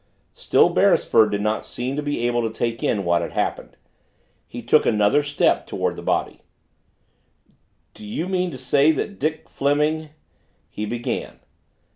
Still Beresford did not seem to be able to take in what had happened. He took another step toward the body. "Do you mean to say that Dick Fleming " he began.